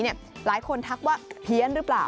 หลายคนทักว่าเพี้ยนหรือเปล่า